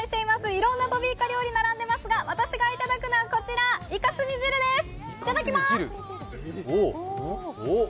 いろんなトビイカ料理が並んでいますが私がいただくのはイカ墨汁です、いただきまーす。